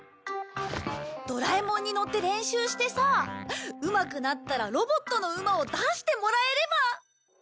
ドラえもんに乗って練習してさうまくなったらロボットの馬を出してもらえれば！